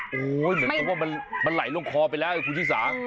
โอ้โหเหมือนกับว่ามันไหลลงคอไปแล้วคุณชิสา